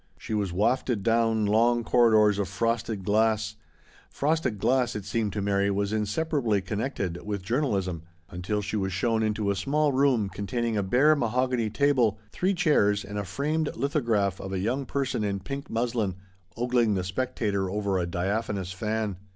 She was wafted down long corridors of frosted glass — frosted glass, it seemed to Mary, was inseparately connected with journalism — until she was shown into a small room con taining a bare mahogany table, three chairs, and a framed lithograph of a young person in pink muslin ogling the spectator over a dia phanous fan.